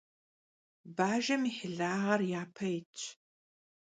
Bajjem yi hilağer yape yitş.